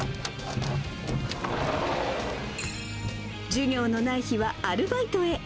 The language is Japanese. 授業のない日はアルバイトへ。